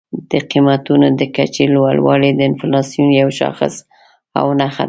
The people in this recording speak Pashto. د قیمتونو د کچې لوړوالی د انفلاسیون یو شاخص او نښه ده.